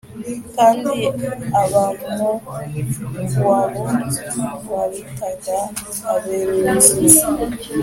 kandi abamowabu babitaga abemimu